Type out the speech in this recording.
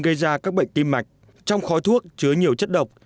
gây ra các bệnh tim mạch trong khói thuốc chứa nhiều chất độc